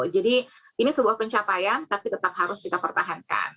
jadi ini sebuah pencapaian tapi tetap harus kita pertahankan